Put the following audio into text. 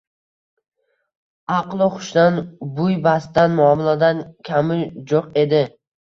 Aqlu xushdan, buy-bastdan, muomaladan kami jo‘q edi